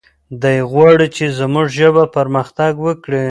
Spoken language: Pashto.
دی غواړي چې زموږ ژبه پرمختګ وکړي.